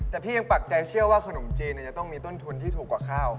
แต่พี่ยังปักใจเชื่อว่าขนมจีนจะต้องมีต้นทุนที่ถูกกว่าข้าว